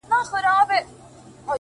ساقي خراب تراب مي کړه نڅېږم به زه؛